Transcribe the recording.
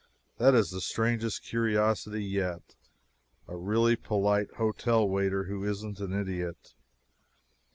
That is the strangest curiosity yet a really polite hotel waiter who isn't an idiot.